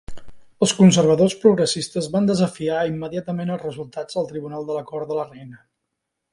Els conservadors progressistes van desafiar immediatament els resultats al Tribunal de la Cort de la Reina.